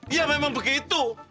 iya memang begitu